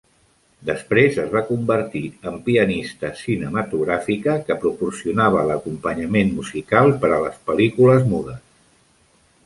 Després es va convertir en pianista cinematogràfica que proporcionava l'acompanyament musical per a les pel·lícules mudes.